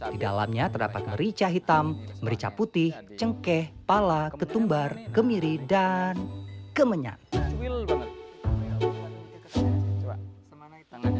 di dalamnya terdapat merica hitam merica putih cengkeh pala ketumbar kemiri dan kemenyan